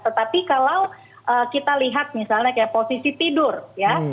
tetapi kalau kita lihat misalnya kayak posisi tidur ya